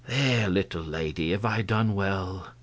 There, little lady, have I done well?